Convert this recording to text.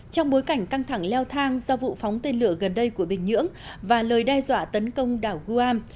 trong bối cảnh căng thẳng leo thang do vụ phóng tên lửa gần đây của bình nhưỡng và lời đe dọa tấn công đảo guam